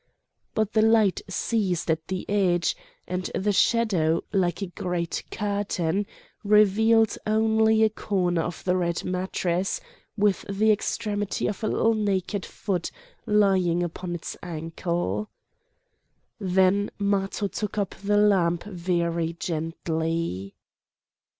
But the light ceased at the edge;—and the shadow, like a great curtain, revealed only a corner of the red mattress with the extremity of a little naked foot lying upon its ankle. Then Matho took up the lamp very gently.